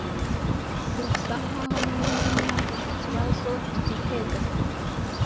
Birasa nkaho mwembi mwagize ikibazo i gitega.